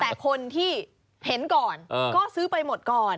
แต่คนที่เห็นก่อนก็ซื้อไปหมดก่อน